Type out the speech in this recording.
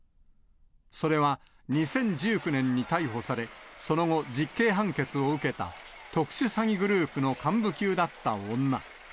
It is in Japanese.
それは、２０１９年に逮捕され、その後、実刑判決を受けた特殊詐欺グループの幹部級だった女。